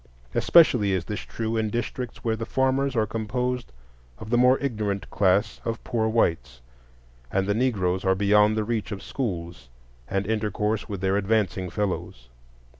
Especially is this true in districts where the farmers are composed of the more ignorant class of poor whites, and the Negroes are beyond the reach of schools and intercourse with their advancing fellows.